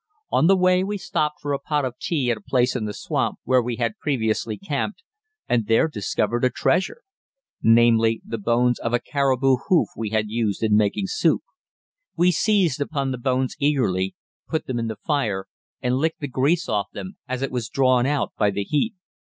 On the way we stopped for a pot of tea at a place in the swamp where we had previously camped, and there discovered a treasure; namely, the bones of a caribou hoof we had used in making soup. We seized upon the bones eagerly, put them in the fire and licked the grease off them as it was drawn out by the heat.